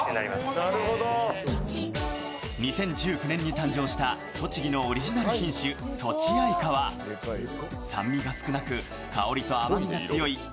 ２０１９年に誕生した栃木のオリジナル品種、とちあいかは酸味が少なく香りと甘みが強い